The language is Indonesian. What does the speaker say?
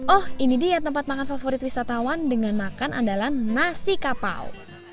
oh ini dia tempat makan favorit wisatawan dengan makan andalan nasi kapau